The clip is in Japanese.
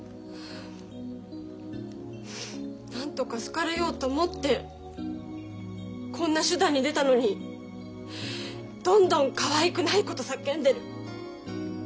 なんとか好かれようと思ってこんな手段に出たのにどんどんかわいくないこと叫んでる。